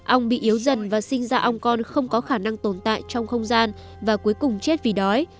ong bị yếu dần và sinh ra ong con không có khả năng tồn tại trong không gian và cuối cùng chết vì đói